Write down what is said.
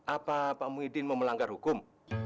apa pak muhyiddin mau melanggar hukum